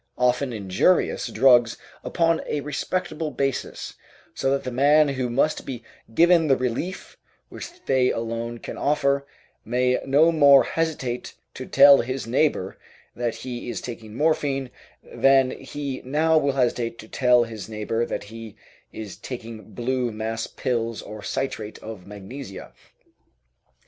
often injurious, drugs upon a respectable basis, so that the man who must be given the relief which they alone can offer may no more hesitate to tell his neighbor that he is taking morphine than he now will hesitate to tell his neighbor that he is taking blue mass pills or citrate of magnesia.